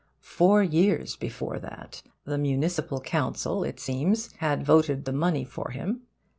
Four years before that, the municipal council, it seems, had voted the money for him.